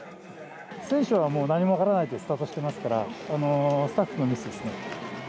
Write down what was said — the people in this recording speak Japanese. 選手はもう、何も分からないでスタートしてますから、スタッフのミスですね。